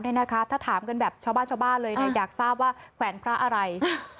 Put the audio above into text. ถ้าถามกันแบบชาวบ้านชาวบ้านเลยอยากทราบว่าแขวนพระอะไร